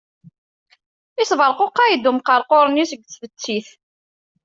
Isberquqay-d umqerqur-nni seg tbettit.